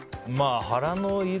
腹の色。